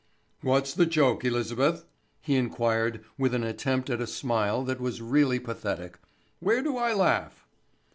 "What's the joke, Elizabeth?", he inquired with an attempt at a smile that was really pathetic. "Where do I laugh?"